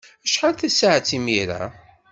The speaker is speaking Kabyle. Acḥal tasaɛet imir-a?